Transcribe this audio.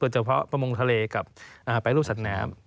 เฉพาะประมงทะเลกับแปรรูปสัตว์น้ำ